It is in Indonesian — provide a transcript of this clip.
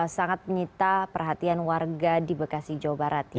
sangat menyita perhatian warga di bekasi jawa barat ya